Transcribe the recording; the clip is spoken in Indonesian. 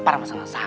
ibu dengan rps